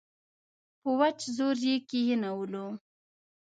په وچ زور یې کښېنولو.